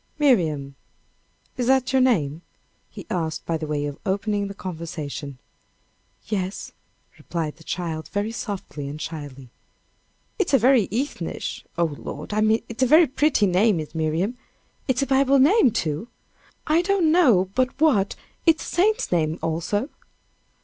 "Miriam! Is that your name," he asked, by way of opening the conversation. "Yes," replied the child, very softly and shyly. "It's a very heathenish oh, Lord! I mean it's a very pretty name is Miriam, it's a Bible name, too. I don't know but what it's a saint's name also."